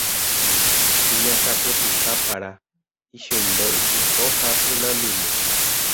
iñakãpytĩha para, ichumbe ysypo ha pynandimi